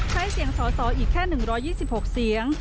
ใช้เสียงสอสออีกแค่๑๒๖เสียง